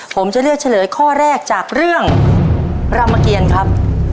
ผมจะเลือกเฉลยข้อแรกจากเรื่องรามเกียรครับ